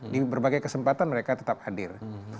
di berbagai kesempatan mereka tetap hadir